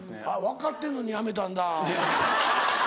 分かってんのに辞めたんだ。